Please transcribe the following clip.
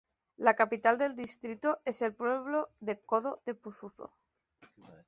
La capital del distrito es el pueblo de Codo de Pozuzo.